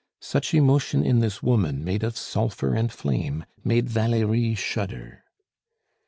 Such emotion in this woman made of sulphur and flame, made Valerie shudder.